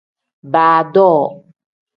Baa doo.